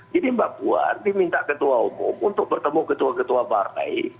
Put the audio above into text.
jadi mbak puan diminta ketua umum untuk bertemu ketua ketua partai